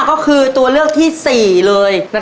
ก็คือตัวเลือกที่๔เลย